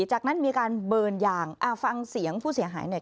จากนั้นมีการเบิร์นยางอ่าฟังเสียงผู้เสียหายหน่อย